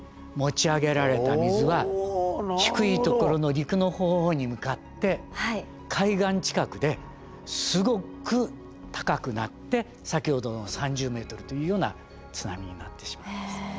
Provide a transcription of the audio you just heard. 持ち上げられた水は低いところの陸の方に向かって海岸近くですごく高くなって先ほどの３０ｍというような津波になってしまうんです。